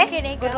oke nih gue bantu